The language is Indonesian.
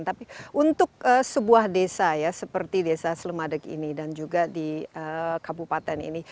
tapi untuk sebuah desa ya seperti desa slemadeg ini dan juga di kabupaten ini